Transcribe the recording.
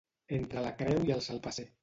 Entre la creu i el salpasser.